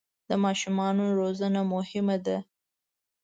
د ماشومانو روزنه مهمه ده.